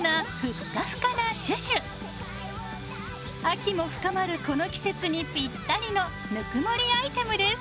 秋も深まるこの季節にぴったりのぬくもりアイテムです。